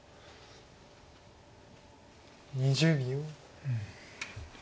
２０秒。